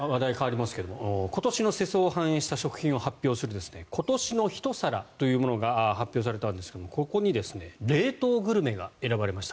では、続いて話題は変わりますが今年の世相を反映した食品を発表する今年の一皿というものが発表されたんですがここに冷凍グルメが選ばれました。